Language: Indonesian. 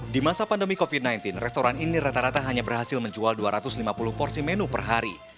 di masa pandemi covid sembilan belas restoran ini rata rata hanya berhasil menjual dua ratus lima puluh porsi menu per hari